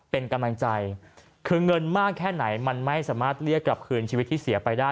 เป็นกำลังใจคือเงินมากแค่ไหนมันไม่สามารถเรียกกลับคืนชีวิตที่เสียไปได้